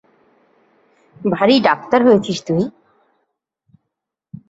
ভারি ডাক্তার হয়েছিস তুই!